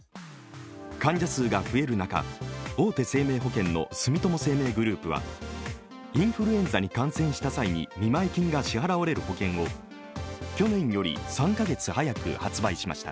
患者数が増える中、大手生命保険の住友生命グループはインフルエンザに感染した際に見舞い金が支払われる保険を去年より３か月早く発売しました。